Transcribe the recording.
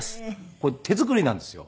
これ手作りなんですよ。